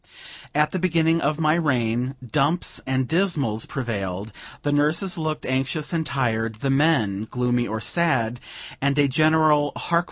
At the beginning of my reign, dumps and dismals prevailed; the nurses looked anxious and tired, the men gloomy or sad; and a general "Hark!